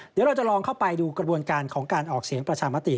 เดี๋ยวเราจะลองเข้าไปดูกระบวนการของการออกเสียงประชามติ